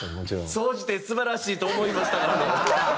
「総じて素晴らしいと思いました」。